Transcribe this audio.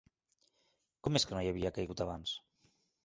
Com és que no hi havia caigut abans?